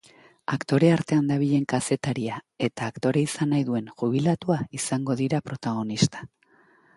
Aktore artean dabilen kazetaria eta aktore izan nahi duen jubilatua izango dira protagonista.